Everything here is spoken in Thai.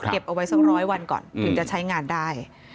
เอาไว้สักร้อยวันก่อนถึงจะใช้งานได้